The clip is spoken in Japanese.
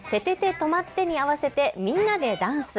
とまって！に合わせてみんなでダンス。